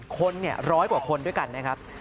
คนร้อยกว่าคนด้วยกันนะครับ